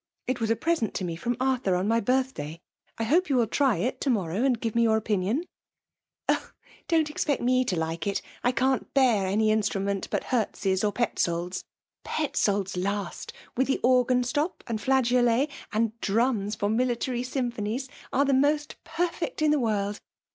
'' It was a present to IDC from Arthur on my birth day ; I husf^ you will try it to morrow and give me your opinion." *' Oh ! don*t expect me to like it. I caa*t bear any instrument but Herz's or Petzold's !— ^Petzold's last, with the organ stop and fla* geolet, and drums for military symphonies, are the most perfect in the world.